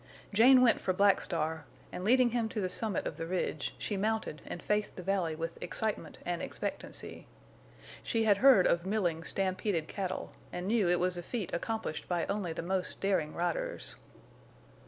Jane went for Black Star and, leading him to the summit of the ridge, she mounted and faced the valley with excitement and expectancy. She had heard of milling stampeded cattle, and knew it was a feat accomplished by only the most daring riders.